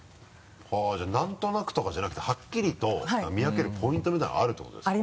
じゃあなんとなくとかじゃなくてはっきりと見分けるポイントみたいなのがあるってことですか？